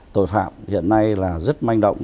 tội phạm hiện nay rất manh động